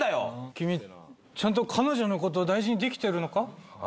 君ちゃんと彼女のこと大事に出来てるのか？